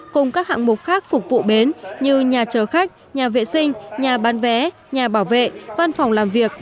cùng các hạng mục khác phục vụ bến như nhà chờ khách nhà vệ sinh nhà bán vé nhà bảo vệ văn phòng làm việc